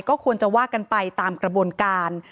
ก็ควรจะว่ากันไปตามกระบวนการ